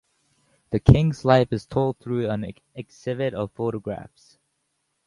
The king's life is told through an exhibit of photographs.